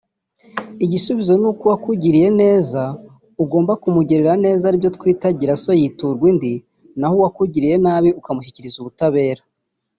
Igisubizo nuko uwakugiriye neza ugomba kumugirira neza aribyo twita “Gira so yiturwa indi” naho uwakugiriye nabi ukamushyikiriza ubutabera